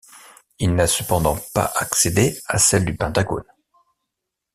Il n'a cependant pas accédé à celles du Pentagone.